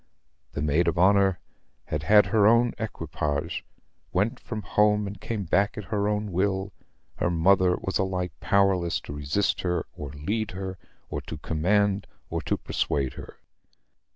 The maid of honor had her own equipage; went from home and came back at her own will: her mother was alike powerless to resist her or to lead her, or to command or to persuade her.